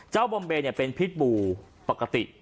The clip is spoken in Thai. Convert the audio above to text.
เจ้าบอมเบเป็นพิษบูปกติ